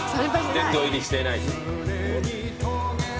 殿堂入りしていないと。